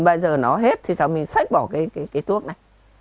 bây giờ nó hết thì xong mình xách bỏ cái thuốc này